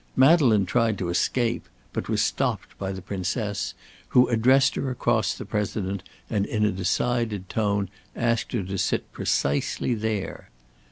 Madeleine tried to escape, but was stopped by the Princess, who addressed her across the President and in a decided tone asked her to sit precisely there.